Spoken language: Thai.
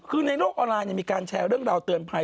คือในโลกออนไลน์มีการแชร์เรื่องราวเตือนภัย